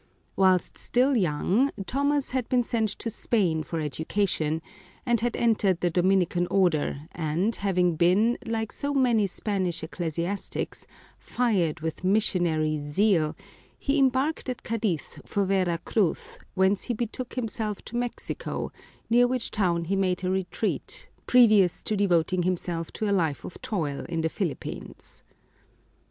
Whilst still young, Thomas had been sent to Spain for educa tion, and had entered the Dominican order, and having been, like so many Spanish ecclesiastics, fired with missionary zeal, he embarked at Cadiz for Vera Cruz, whence he betook himself to Mexico, near which town he made a retreat, previous to devoting himself to a life of toil in the Philippines.